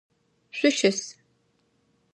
Шъущыс!